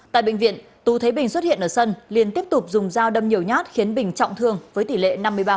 tại bệnh viện tú thấy bình xuất hiện ở sân liền tiếp tục dùng dao đâm nhiều nhát khiến bình trọng thương với tỷ lệ năm mươi ba